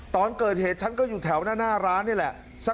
ตอนเกิดเหตุฉันก็อยู่แถวหน้าร้านนี่แหละ